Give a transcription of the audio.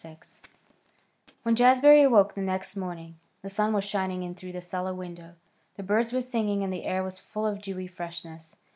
VI When Jazbury awoke the next morning the sun was shining in through the cellar window, the birds were singing, and the air was full of dewy freshness.